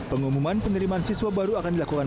pengumuman penerimaan siswa baru akan dilakukan